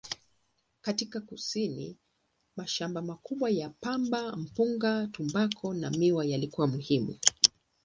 Katika kusini, mashamba makubwa ya pamba, mpunga, tumbaku na miwa yalikuwa muhimu.